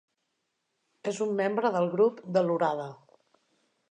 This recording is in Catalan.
És un membre del Grup de l'Orada.